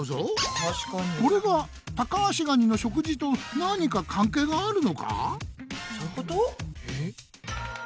これがタカアシガニの食事と何か関係があるのか？